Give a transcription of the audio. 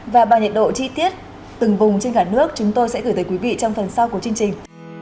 và bằng nhiệt độ chi tiết từng vùng trên cả nước chúng tôi sẽ gửi tới quý vị trong phần sau của chương trình